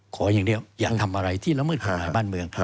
ขออย่างเดียวอย่าทำอะไรที่ละเมิดกฎหมายบ้านเมือง